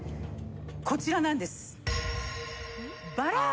こちらなんです。